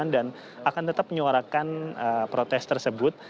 dan akan tetap menyuarakan protes tersebut